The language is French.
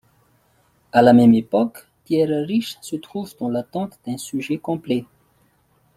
À la même époque, Pierre Risch se trouve dans l'attente d'un sujet complet.